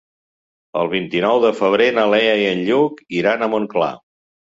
El vint-i-nou de febrer na Lea i en Lluc iran a Montclar.